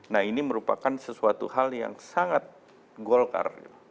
nah ini merupakan sesuatu hal yang sangat golkar